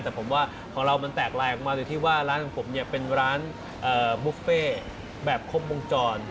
แต่ผมว่าของเรามันแตกลายออกมาโดยที่ว่าร้านของผมเนี่ยเป็นร้านบุฟเฟ่แบบครบวงจร